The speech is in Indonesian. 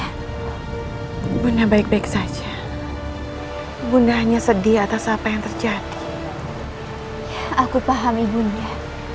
hai bunda baik baik saja hai bunda hanya sedih atas apa yang terjadi aku pahami bunda